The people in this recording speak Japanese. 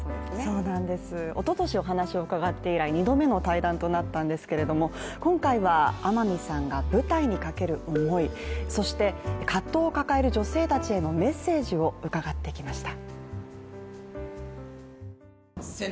そうなんです、おととしお話を伺って以来２度目の対談となったんですけれども今回は天海さんが舞台にかける思いそして、葛藤を抱える女性たちへのメッセージを伺ってきました。